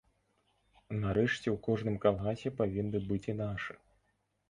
Нарэшце ў кожным калгасе павінны быць і нашы.